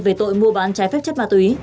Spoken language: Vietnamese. về tội mua bán trái phép chất ma túy